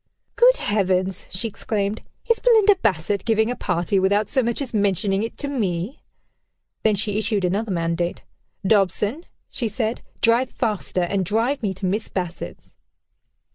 "Good heavens!" she exclaimed: "is Belinda Bassett giving a party, without so much as mentioning it to me?" Then she issued another mandate. "Dobson," she said, "drive faster, and drive me to Miss Bassett's."